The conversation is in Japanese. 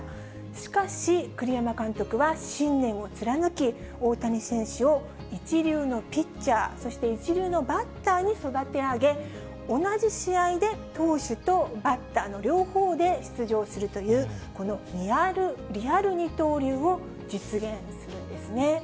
しかし、栗山監督は信念を貫き、大谷選手を一流のピッチャー、そして一流のバッターに育て上げ、同じ試合で投手とバッターの両方で出場するという、このリアル二刀流を実現するんですね。